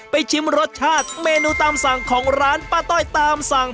ชิมรสชาติเมนูตามสั่งของร้านป้าต้อยตามสั่ง